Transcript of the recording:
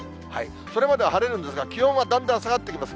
それまでは晴れるんですが、気温はだんだん下がってきます。